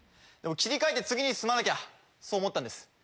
でも切り替えて次に進まなきゃそう思ったんです。